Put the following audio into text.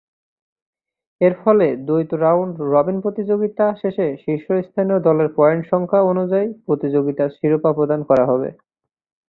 এরফলে দ্বৈত রাউন্ড-রবিন প্রতিযোগিতা শেষে শীর্ষস্থানীয় দলের পয়েন্ট সংখ্যা অনুযায়ী প্রতিযোগিতার শিরোপা প্রদান করা হবে।